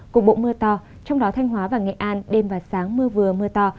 cục bộ mưa to trong đó thanh hóa và nghệ an đêm và sáng mưa vừa mưa to